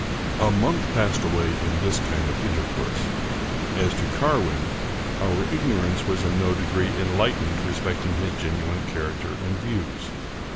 A month passed away in this kind of intercourse. As to Carwin, our ignorance was in no degree enlightened respect ing his genuine character and views.